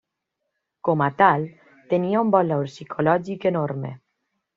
Com a tal, tenia un valor psicològic enorme.